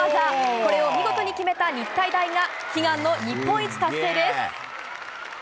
これを見事に決めた日体大が悲願の日本一達成です。